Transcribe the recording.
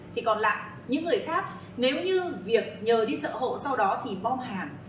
thì còn lại những người khác nếu như việc nhờ đi chợ hộ sau đó thì mong hàng